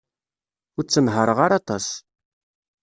Ur ttenhaṛeɣ ara aṭas.